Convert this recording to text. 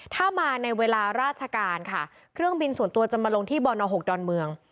ถ้ามาในเวลาราชการค่ะเครื่องบินส่วนตัวจะมาลงที่บน๖ดอนเมือง